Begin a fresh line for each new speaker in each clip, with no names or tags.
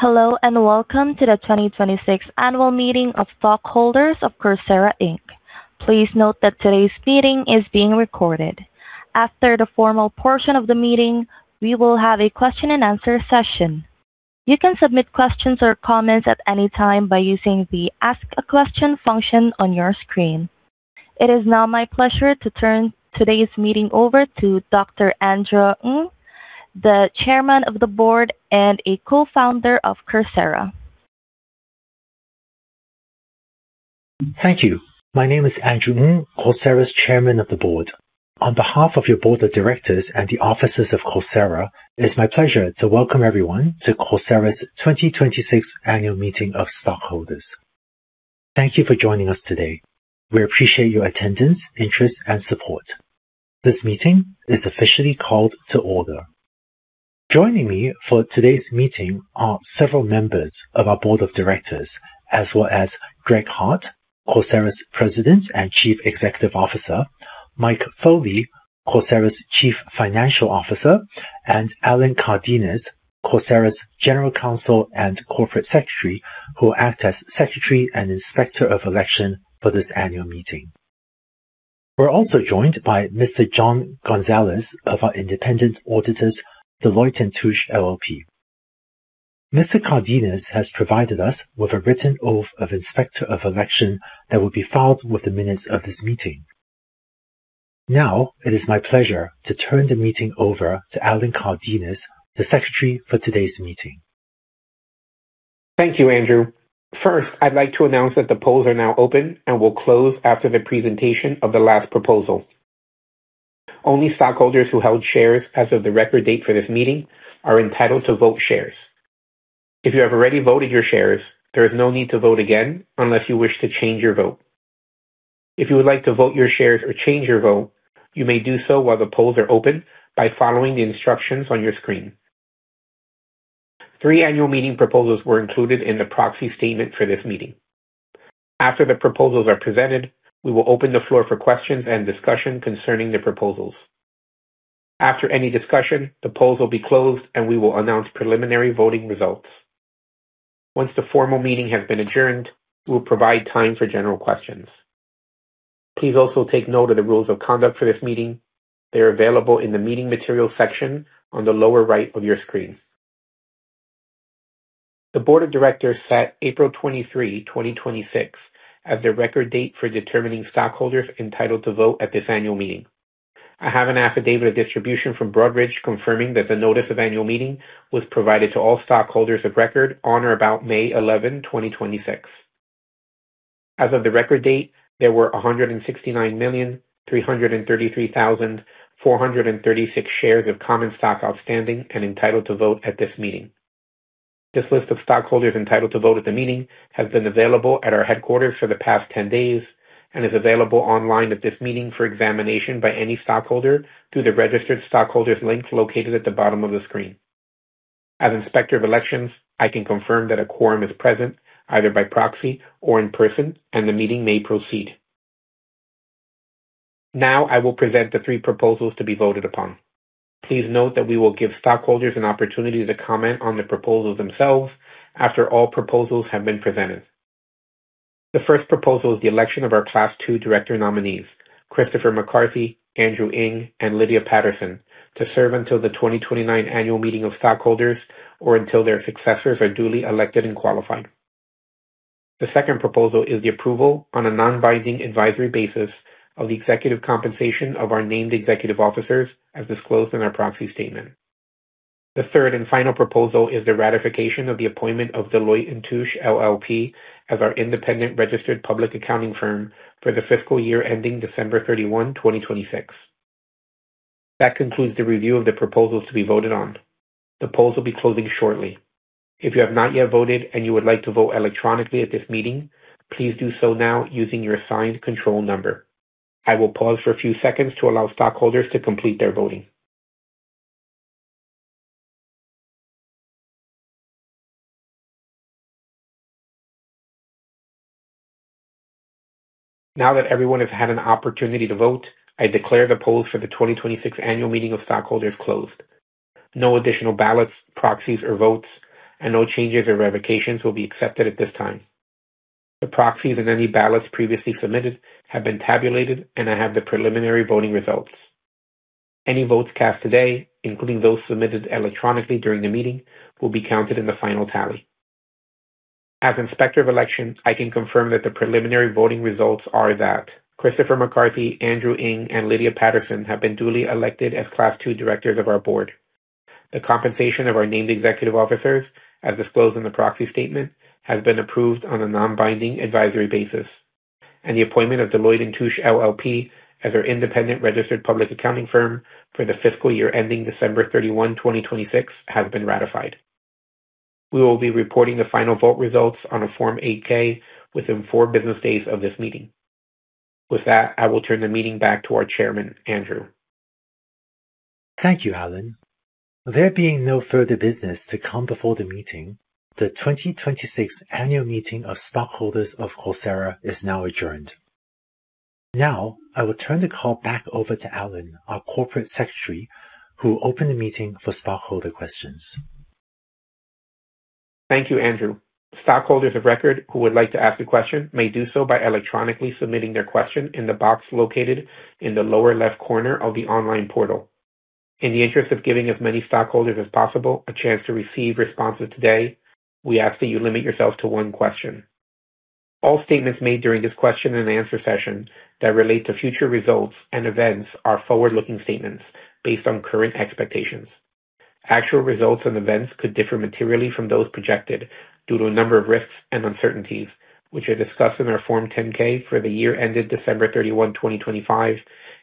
Hello, welcome to the 2026 Annual Meeting of Stockholders of Coursera, Inc. Please note that today's meeting is being recorded. After the formal portion of the meeting, we will have a question-and-answer session. You can submit questions or comments at any time by using the Ask a Question function on your screen. It is now my pleasure to turn today's meeting over to Dr. Andrew Ng, the Chairman of the Board and a Co-Founder of Coursera.
Thank you. My name is Andrew Ng, Coursera's Chairman of the Board. On behalf of your Board of Directors and the Officers of Coursera, it's my pleasure to welcome everyone to Coursera's 2026 Annual Meeting of Stockholders. Thank you for joining us today. We appreciate your attendance, interest, and support. This meeting is officially called to order. Joining me for today's meeting are several members of our Board of Directors, as well as Greg Hart, Coursera's President and Chief Executive Officer, Mike Foley, Coursera's Chief Financial Officer, and Alan Cardenas, Coursera's General Counsel and Corporate Secretary, who will act as Secretary and Inspector of Election for this annual meeting. We're also joined by Mr. John Gonzalez of our independent auditors, Deloitte & Touche LLP. Mr. Cardenas has provided us with a written oath of inspector of election that will be filed with the minutes of this meeting. It is my pleasure to turn the meeting over to Alan Cardenas, the Secretary for today's meeting.
Thank you, Andrew. I'd like to announce that the polls are now open and will close after the presentation of the last proposal. Only stockholders who held shares as of the record date for this meeting are entitled to vote shares. If you have already voted your shares, there is no need to vote again unless you wish to change your vote. If you would like to vote your shares or change your vote, you may do so while the polls are open by following the instructions on your screen. Three annual meeting proposals were included in the proxy statement for this meeting. After the proposals are presented, we will open the floor for questions and discussion concerning the proposals. After any discussion, the polls will be closed, and we will announce preliminary voting results. Once the formal meeting has been adjourned, we will provide time for general questions. Please also take note of the rules of conduct for this meeting. They are available in the meeting materials section on the lower right of your screen. The board of directors set April 23rd, 2026 as the record date for determining stockholders entitled to vote at this annual meeting. I have an affidavit of distribution from Broadridge confirming that the notice of annual meeting was provided to all stockholders of record on or about May 11th, 2026. As of the record date, there were 169,333,436 shares of common stock outstanding and entitled to vote at this meeting. This list of stockholders entitled to vote at the meeting has been available at our headquarters for the past 10 days and is available online at this meeting for examination by any stockholder through the registered stockholders link located at the bottom of the screen. As inspector of elections, I can confirm that a quorum is present, either by proxy or in person, and the meeting may proceed. I will present the three proposals to be voted upon. Please note that we will give stockholders an opportunity to comment on the proposals themselves after all proposals have been presented. The first proposal is the election of our Class 2 director nominees, Christopher McCarthy, Andrew Ng, and Lydia Patton, to serve until the 2029 annual meeting of stockholders or until their successors are duly elected and qualified. The second proposal is the approval on a non-binding advisory basis of the executive compensation of our named executive officers as disclosed in our proxy statement. The third and final proposal is the ratification of the appointment of Deloitte & Touche LLP as our independent registered public accounting firm for the fiscal year ending December 31st, 2026. That concludes the review of the proposals to be voted on. The polls will be closing shortly. If you have not yet voted and you would like to vote electronically at this meeting, please do so now using your assigned control number. I will pause for a few seconds to allow stockholders to complete their voting. Now that everyone has had an opportunity to vote, I declare the polls for the 2026 annual meeting of stockholders closed. No additional ballots, proxies, or votes, and no changes or revocations will be accepted at this time. The proxies and any ballots previously submitted have been tabulated, and I have the preliminary voting results. Any votes cast today, including those submitted electronically during the meeting, will be counted in the final tally. As inspector of elections, I can confirm that the preliminary voting results are that Christopher McCarthy, Andrew Ng, and Lydia Patton have been duly elected as Class 2 directors of our board. The compensation of our named executive officers, as disclosed in the proxy statement, has been approved on a non-binding advisory basis, and the appointment of Deloitte & Touche LLP as our independent registered public accounting firm for the fiscal year ending December 31st, 2026, has been ratified. We will be reporting the final vote results on a Form 8-K within four business days of this meeting. With that, I will turn the meeting back to our Chairman, Andrew.
Thank you, Alan. There being no further business to come before the meeting, the 2026 Annual Meeting of Stockholders of Coursera is now adjourned. I will turn the call back over to Alan, our Corporate Secretary, who will open the meeting for stockholder questions.
Thank you, Andrew. Stockholders of record who would like to ask a question may do so by electronically submitting their question in the box located in the lower left corner of the online portal. In the interest of giving as many stockholders as possible a chance to receive responses today, we ask that you limit yourself to one question. All statements made during this question-and-answer session that relate to future results and events are forward-looking statements based on current expectations. Actual results and events could differ materially from those projected due to a number of risks and uncertainties, which are discussed in our Form 10-K for the year ended December 31, 2025,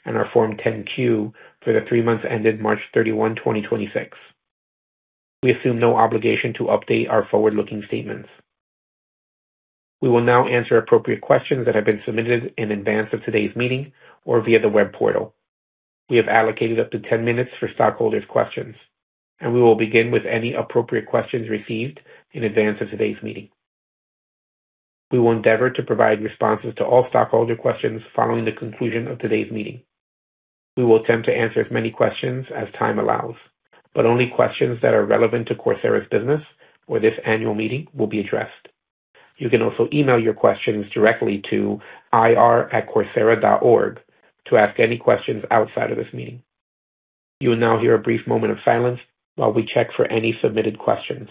and our Form 10-Q for the three months ended March 31, 2026. We assume no obligation to update our forward-looking statements. We will now answer appropriate questions that have been submitted in advance of today's meeting or via the web portal. We have allocated up to 10 minutes for stockholders' questions. We will begin with any appropriate questions received in advance of today's meeting. We will endeavor to provide responses to all stockholder questions following the conclusion of today's meeting. We will attempt to answer as many questions as time allows, only questions that are relevant to Coursera's business or this annual meeting will be addressed. You can also email your questions directly to ir@coursera.org to ask any questions outside of this meeting. You will now hear a brief moment of silence while we check for any submitted questions.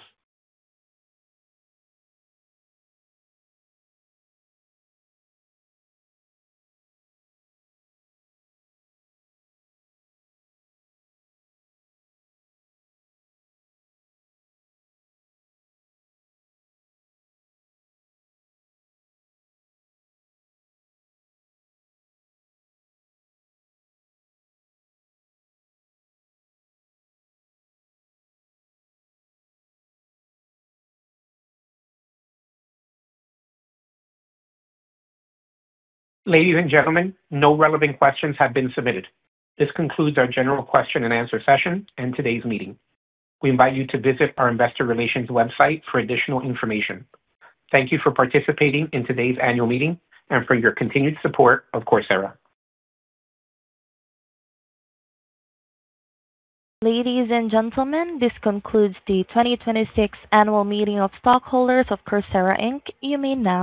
Ladies and gentlemen, no relevant questions have been submitted. This concludes our general question-and-answer session and today's meeting. We invite you to visit our investor relations website for additional information. Thank you for participating in today's annual meeting and for your continued support of Coursera.
Ladies and gentlemen, this concludes the 2026 Annual Meeting of Stockholders of Coursera, Inc.. You may now disconnect.